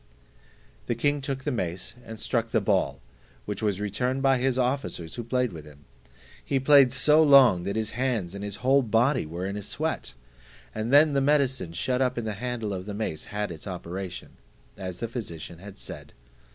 The king took the mace, and struck the ball, which was returned by his officers who played with him; he played so long, that his hands and his whole body were in a sweat, and then the medicine shut up in the handle of the mace had its operation, as the physician had said.